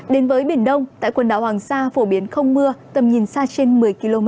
đến với biển đông tại quần đảo hoàng sa phổ biến không mưa tầm nhìn xa trên một mươi km